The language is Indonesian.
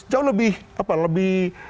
jauh lebih apa lebih